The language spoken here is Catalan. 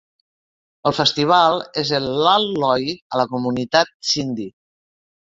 El festival és el Lal Loi a la comunitat sindi.